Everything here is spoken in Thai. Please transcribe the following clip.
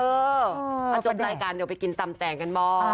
จบรายการเดี๋ยวไปกินตำแตงกันบ้าง